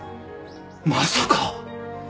まさか！